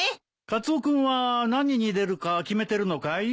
カツオ君は何に出るか決めてるのかい？